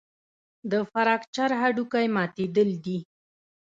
د فراکچر هډوکی ماتېدل دي.